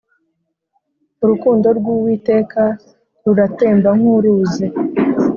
Urukundo rw'Uwiteka ruratemba nk'uruzi